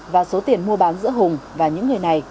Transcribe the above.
và số tiền mua bán giữa hùng và những người này